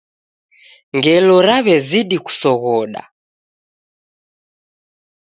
Ngelo raw'ezidi kusoghoda.